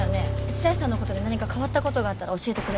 白石さんのことで何か変わったことがあったら教えてくれって。